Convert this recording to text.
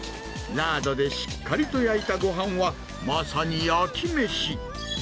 ラードでしっかりと焼いたごはんは、まさに焼き飯。